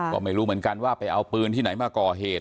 ก็ไม่รู้เหมือนกันว่าไปเอาปืนที่ไหนมาก่อเหตุ